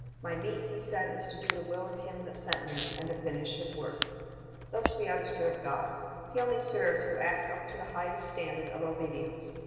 "My meat," He said, "is to do the will of Him that sent Me, and to finish His work."^ Thus we are to serve God. He only serves who acts up to the highest standard of obedience.